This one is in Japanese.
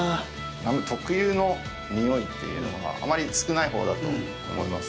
ラム特有のにおいというのがあまり少ないほうだと思います。